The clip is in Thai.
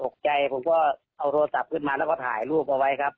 ผมก็ใจผมก็เอาโทรศัพท์ขึ้นมาแล้วก็ถ่ายรูปเอาไว้ครับ